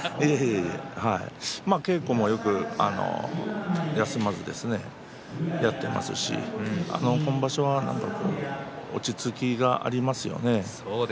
稽古も休まずですねやっていますし今場所は落ち着きがありますよね。